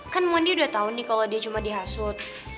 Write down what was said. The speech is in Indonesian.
kan mondi udah tau nih kalau dia cuma dihasut